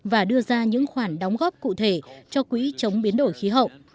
và đưa ra những khoản đóng góp cụ thể cho quỹ chống biến đổi khí hậu